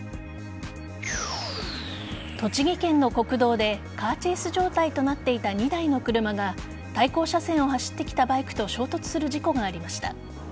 栃木県の国道でカーチェイス状態となっていた２台の車が対向車線を走ってきたバイクと衝突する事故がありました。